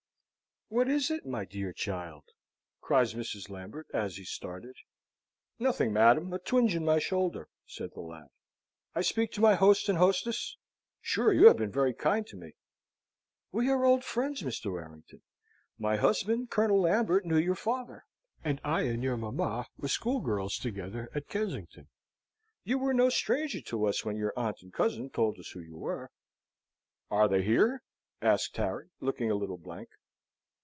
"What is it, my dear child?" cries kind Mrs. Lambert, as he started. "Nothing, madam; a twinge in my shoulder," said the lad. "I speak to my host and hostess? Sure you have been very kind to me." "We are old friends, Mr. Warrington. My husband, Colonel Lambert, knew your father, and I and your mamma were schoolgirls together at Kensington. You were no stranger to us when your aunt and cousin told us who you were." "Are they here?" asked Harry, looking a little blank.